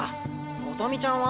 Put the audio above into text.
音美ちゃんは？